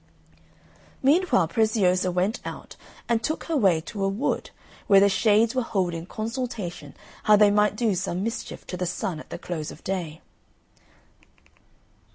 Meanwhile Preziosa went out, and took her way to a wood, where the Shades were holding a consultation how they might do some mischief to the Sun at the close of day.